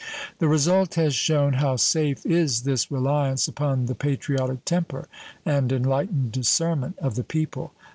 The result has shewn how safe is this reliance upon the patriotic temper and enlightened discernment of the people.